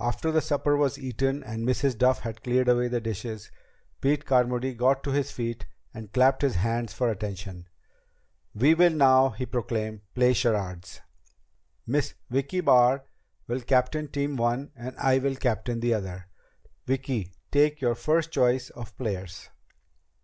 After the supper was eaten and Mrs. Duff had cleared away the dishes, Pete Carmody got to his feet and clapped his hands for attention. "We will now," he proclaimed, "play charades. Miss Vicki Barr will captain one team and I will captain the other. Vicki, take your first choice of players."